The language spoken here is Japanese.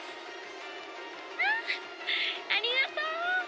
「ああありがとう！」